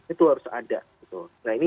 itu harus ada nah ini